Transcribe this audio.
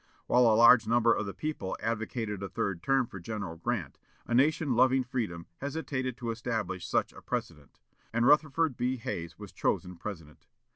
While a large number of the people advocated a third term for General Grant, a nation loving freedom hesitated to establish such a precedent, and Rutherford B. Hayes was chosen President.